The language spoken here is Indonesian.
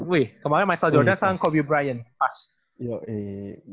wih kemarin mystal jordan sekarang kobe bryant pas